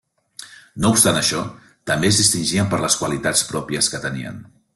No obstant això, també es distingien per les qualitats pròpies que tenien.